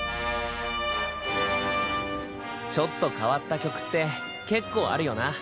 ちょっと変わった曲ってけっこうあるよな？